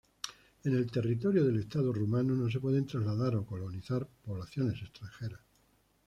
En el territorio del Estado rumano no se pueden trasladar o colonizar poblaciones extranjeras.